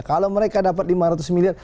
kalau mereka dapat lima ratus miliar